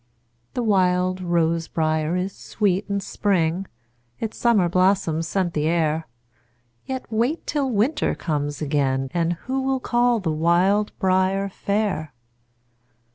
The wild rose briar is sweet in spring, Its summer blossoms scent the air; Yet wait till winter comes again, And who will call the wild briar fair?